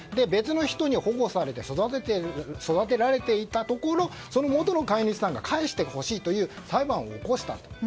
別の人に保護されて育てられていたところ元の飼い主さんが返してほしいという裁判を起こしたと。